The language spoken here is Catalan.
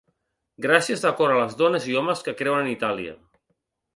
Gràcies de cor a les dones i homes que creuen en Itàlia.